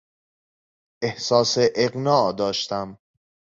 احساس اقناع داشتم.